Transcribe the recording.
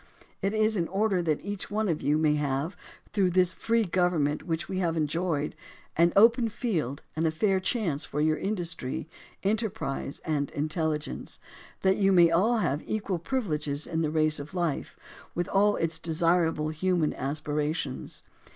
It is in order that each one of you may THE DEMOCRACY OF ABRAHAM LINCOLN 153 have, through this free government which we have enjoyed, an open field and a fair chance for your industry, enterprise and intelligence: that you may all have equal privileges in the race of life, with all its desirable human aspirations.